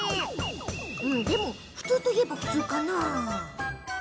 でも、普通といえば普通かな？